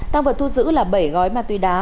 tăng vật thu giữ là bảy gói ma túy đá